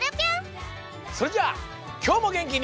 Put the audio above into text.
それじゃあきょうもげんきに。